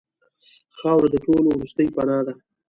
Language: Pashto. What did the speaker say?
خاوره د ټولو وروستۍ پناه ده.